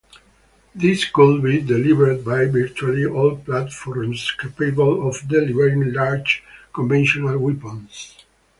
These could be delivered by virtually all platforms capable of delivering large conventional weapons.